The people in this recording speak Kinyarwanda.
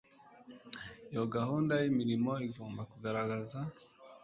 Iyo gahunda y imirimo igomba kugaragaza